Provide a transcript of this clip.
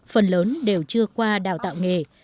phần lớn đều chưa qua đào tạo nghề